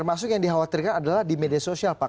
termasuk yang dikhawatirkan adalah di media sosial pak